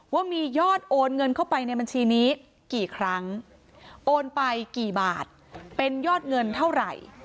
ว่ามียอดโอนเงินเข้าไปในบัญชีนี้กี่ครั้งโอนไปกี่บาทเป็นยอดเงินเท่าไหร่